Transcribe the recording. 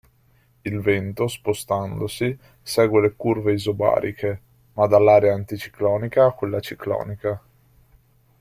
Il vento spostandosi segue le curve isobariche ma dall'area anticiclonica a quella ciclonica.